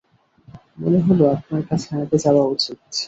মনে হলো, আপনার কাছে আগে যাওয়া উচিত।